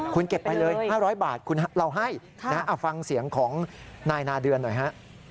คุณเก็บไปเลย๕๐๐บาทเราให้ฟังเสียงของนายนาเดือนหน่อยฮะ